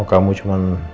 ya saya mau pergi dulu